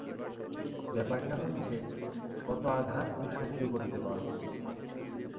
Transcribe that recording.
ব্যাপারটা হচ্ছে, কত আঘাত তুমি সহ্য করতে পারো।